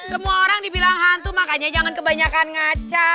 semua orang dibilang hantu makanya jangan kebanyakan ngaca